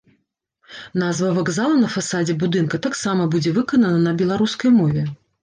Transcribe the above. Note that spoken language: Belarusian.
Назва вакзала на фасадзе будынка таксама будзе выканана на беларускай мове.